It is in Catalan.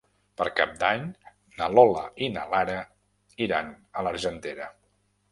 Per Cap d'Any na Lola i na Lara iran a l'Argentera.